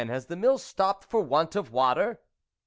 has the mill stopped for want of water ?